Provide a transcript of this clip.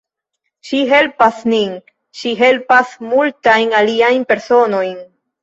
Ŝi helpas nin, ŝi helpas multajn aliajn personojn.